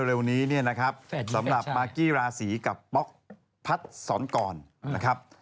เร็วนี้เนี่ยนะครับสำหรับมากกี้ราศีกับป๊อกพัดสอนกรนะครับ